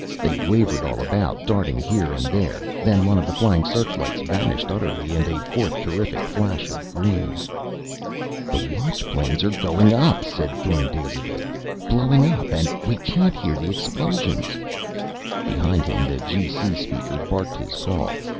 They wavered all about, darting here and there.... Then one of the flying searchlights vanished utterly in a fourth terrific flash of green. "The watch planes are going up!" said Thorn dazedly. "Blowing up! And we can't hear the explosions!" Behind him the G.C. speaker barked his call.